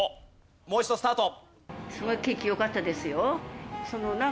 もう一度スタート。